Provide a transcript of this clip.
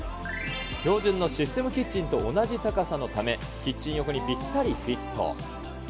標準のシステムキッチンと同じ高さのため、キッチン横にぴったりフィット。